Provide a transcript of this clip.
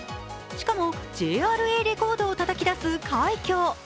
しかもＪＲＡレコードをたたき出す快挙。